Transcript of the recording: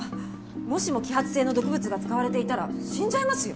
もしも揮発性の毒物が使われていたら死んじゃいますよ！？